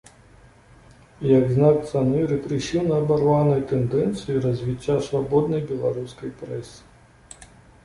Як знак цаны рэпрэсіўна абарванай тэндэнцыі развіцця свабоднай беларускай прэсы.